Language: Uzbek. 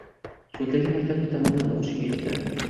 Cho‘ldagi maktabni tamomlab o‘qishga ketdi.